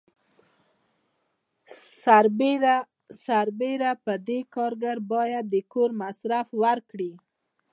سربیره پر دې کارګر باید د کور مصرف ورکړي.